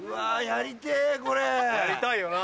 やりたいよな。